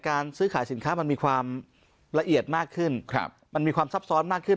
การซื้อขายสินค้ามันมีความละเอียดมากขึ้นมันมีความซับซ้อนมากขึ้น